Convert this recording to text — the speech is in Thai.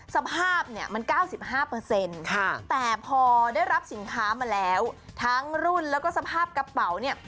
สภาพเนี่ยมัน๙๕แต่พอได้รับสินค้ามาแล้วทั้งรุ่นแล้วก็สภาพกระเป๋าเนี่ย